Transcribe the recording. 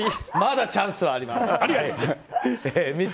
まだチャンスはあります。